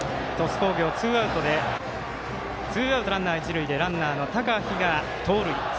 鳥栖工業、ツーアウトランナー、一塁でランナーの高陽が盗塁。